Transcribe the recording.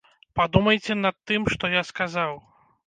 Падумайце над тым, што я сказаў.